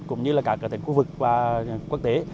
cũng như cả các tỉnh khu vực và quốc tế